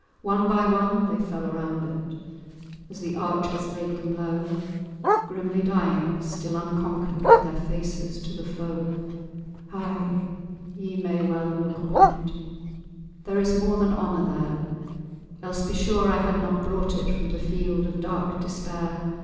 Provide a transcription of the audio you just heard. One by one they fell around it, As the archers laid them low, Grimly dying, still unconquered, With their faces to the foe. Ay! ye may well look upon it— There is more than honour there, Else, be sure, I had not brought it From the field of dark despair.